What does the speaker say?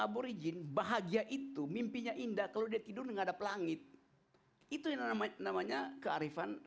aborigin bahagia itu mimpinya indah kalau dia tidur menghadap langit itu yang namanya kearifan